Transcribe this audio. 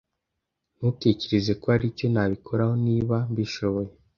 Ntutekereza ko hari icyo nabikoraho niba mbishoboye?